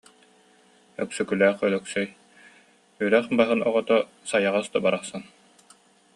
Өксөкүлээх Өлөксөй: «Үрэх баһын оҕото, сайаҕас да барахсан»